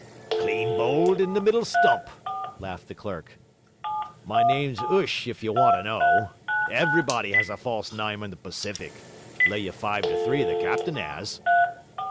'Clean bowled in the middle stump!' laughed the clerk. 'My name's 'Uish if you want to know. Everybody has a false nyme in the Pacific. Lay you five to three the captain 'as.'